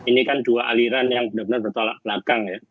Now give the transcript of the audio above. ini kan dua aliran yang benar benar bertolak belakang ya